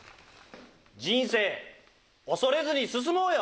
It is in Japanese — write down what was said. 人生恐れずに進もうよ。